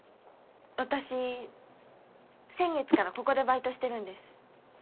私先月からここでバイトしてるんです。